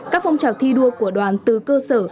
các phong trào thi đua của đoàn từ cơ sở